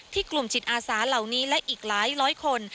กลุ่มจิตอาสาเหล่านี้และอีกหลายร้อยคน